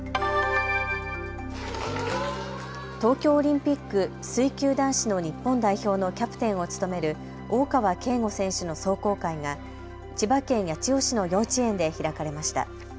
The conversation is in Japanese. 東京オリンピック水球男子の日本代表のキャプテンを務める大川慶悟選手の壮行会が千葉県八千代市の幼稚園で開かれました。